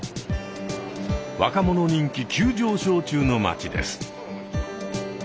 若者人気急上昇中の町です。